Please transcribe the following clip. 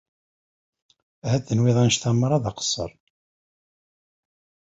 Ahat tenwiḍ annect-a merra d aqeṣṣer?